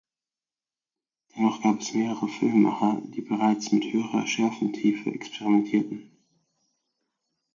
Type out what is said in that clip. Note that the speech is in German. Dennoch gab es mehrere Filmemacher, die bereits mit höherer Schärfentiefe experimentierten.